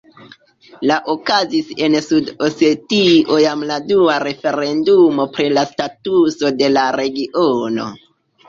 La okazis en Sud-Osetio jam la dua referendumo pri la statuso de la regiono.